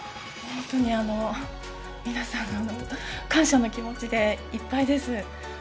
本当に皆さん、感謝の気持ちでいっぱいです。